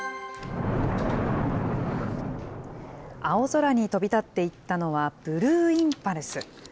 青空に飛び立っていったのは、ブルーインパルス。